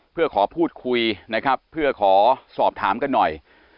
เพื่อขอพูดคุยนะครับเพื่อขอสอบถามกันหน่อย